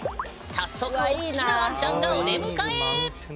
早速おっきなわんちゃんがお出迎え！